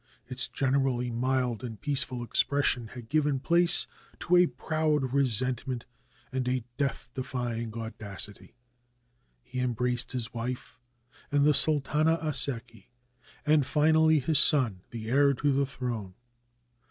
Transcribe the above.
Its gen erally mild and peaceful expression had given place to a proud resentment and a death defying audacity. He embraced his wife and the Sultana Asseki, and finally 520 THE LAST OF THE JANIZARIES his son, the heir to the throne.